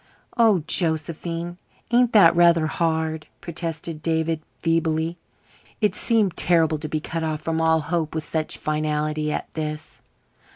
"Oh, Josephine, ain't that rather hard?" protested David feebly. It seemed terrible to be cut off from all hope with such finality as this.